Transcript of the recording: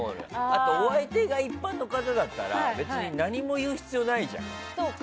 あと、お相手が一般の方だったら何も言う必要ないじゃん。